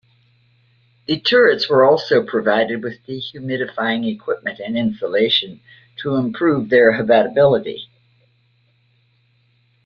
The turrets were also provided with de-humidifying equipment and insulation to improve their habitability.